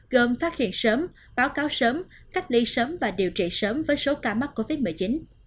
gồm phát hiện sớm báo cáo sớm cách ly sớm và điều trị sớm với số ca mắc covid một mươi chín